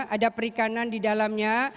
ada perikanan di dalamnya